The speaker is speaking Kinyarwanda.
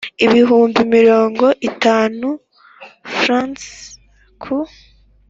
ibihumbi mirongo itanu Frw ku